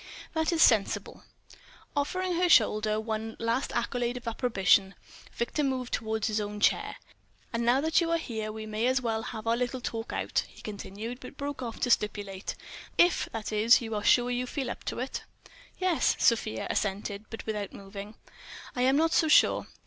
"That is sensible." Offering her shoulder one last accolade of approbation, Victor moved toward his own chair. "And now that you are here, we may as well have our little talk out," he continued, but broke off to stipulate: "If, that is, you are sure you feel up to it?" "Yes," Sofia assented, but without moving. "I am not so sure.